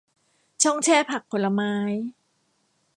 ช่องแช่ผักผลไม้